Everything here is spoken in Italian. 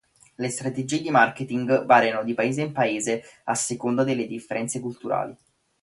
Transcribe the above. Le strategie di marketing variavano di paese in paese a seconda delle differenze culturali.